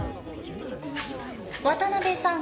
渡邊さん